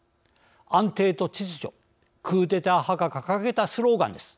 安定と秩序クーデター派が掲げたスローガンです。